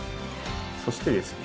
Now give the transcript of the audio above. そしてですね